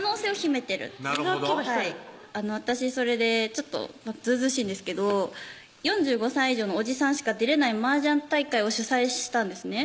なるほど私それでちょっとずうずうしいんですけど４５歳以上のおじさんしか出れない麻雀大会を主催したんですね